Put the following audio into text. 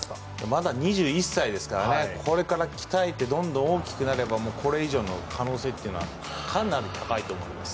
まだ２１歳ですからこれから鍛えてどんどん大きくなればこれ以上の可能性というのはかなり高いと思います。